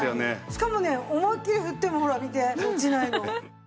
しかもね思いっきり振ってもほら見て落ちないの。